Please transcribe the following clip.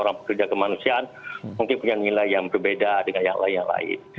orang pekerja kemanusiaan mungkin punya nilai yang berbeda dengan yang lain yang lain